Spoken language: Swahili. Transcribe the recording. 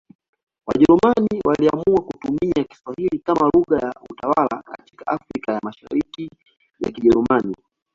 Wajerumani waliamua kutumia Kiswahili kama lugha ya utawala katika Afrika ya Mashariki ya Kijerumani.